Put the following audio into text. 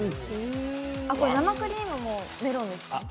これ生クリームもメロンです。